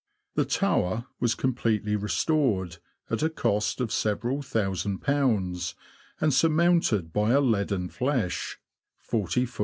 The tower was completely restored, at a cost of several thousand pounds, and surmounted by a leaden Fleche, 40ft.